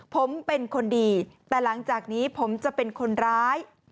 ผมเป็นคนดีแต่หลังจากนี้ผมจะเป็นคนร้าย